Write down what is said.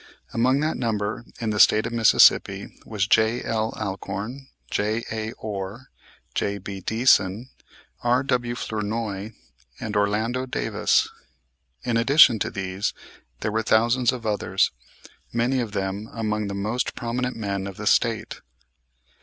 Among that number in the State of Mississippi was J.L. Alcorn, J.A. Orr, J.B. Deason, R.W. Flournoy, and Orlando Davis. In addition to these there were thousands of others, many of them among the most prominent men of the State.